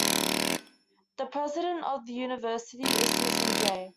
The president of the university is Susan J.